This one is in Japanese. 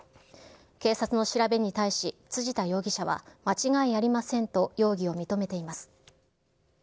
警察の調べに対し、辻田容疑者は間違いありませんと容疑を認めています。